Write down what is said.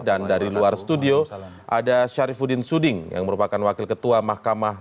dan dari luar studio ada syarifudin suding yang merupakan wakil ketua mahkamah